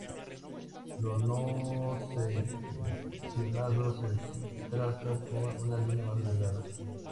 Lo no seccionado se traza con una línea más delgada.